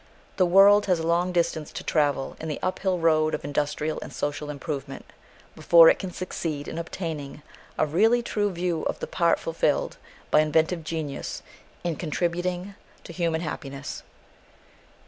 The world has a long distance to travel in the uphill road of industrial and social improvement before it can succeed in obtaining a really true view of the part fulfilled by inventive genius in contributing to human happiness.